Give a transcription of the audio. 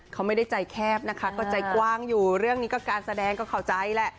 เขาไม่ได้ใจแคบนะคะก็ใจกว้างอยู่เรื่องนี้ก็การแสดงก็เข้าใจแหละ